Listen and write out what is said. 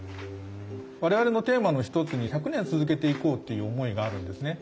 我々のテーマの一つに１００年続けていこうっていう思いがあるんですね。